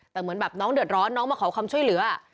แต่เหมือนแบบน้องเดือดร้อนน้องมาขอความช่วยเหลือ